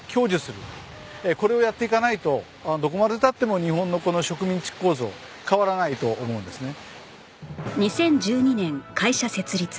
これをやっていかないとどこまで経っても日本の植民地構造変わらないと思うんですね。